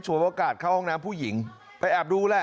โอกาสเข้าห้องน้ำผู้หญิงไปแอบดูแหละ